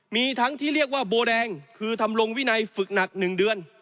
มีทั้งที่เรียกว่าโบแดงคือทำลงวินัยฝึกหนัก๑เดือน